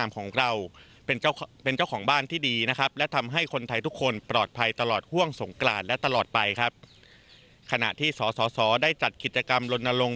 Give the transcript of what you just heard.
เกิดกิจกรรมลนลง